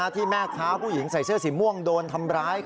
ที่แม่ค้าผู้หญิงใส่เสื้อสีม่วงโดนทำร้าย